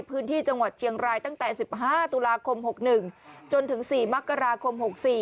พื้นที่จังหวัดเชียงรายตั้งแต่๑๕ตุลาคม๖๑จนถึง๔มกราคม๖๔